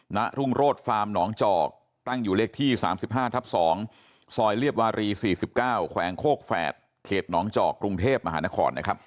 ณรุ่งโรศฟาร์มหนองจอกตั้งอยู่เลขที่๓๕ทับ๒ซอยเรียบวารี๔๙แขวงโคกแฝดเขตหนองจอกกรุงเทพมหานครนะครับ